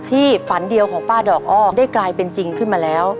ฝันเดียวของป้าดอกอ้อได้กลายเป็นจริงขึ้นมาแล้ว